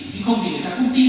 khi không thì người ta cũng tin